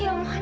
ya allah ana